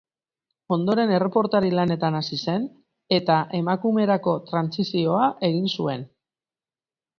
Ondoren erreportari-lanetan hasi zen eta emakumerako trantsizioa egin zuen.